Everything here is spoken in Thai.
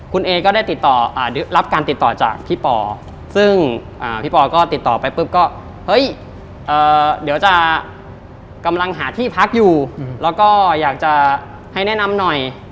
คุณเอก็ได้ติดต่อรับการติดต่อจากพี่ปอซึ่งพี่ปอก็ติดต่อไปปุ๊บก็เฮ้ยเดี๋ยวจะกำลังหาที่พักอยู่แล้วก็อยากจะให้แนะนำหน่อย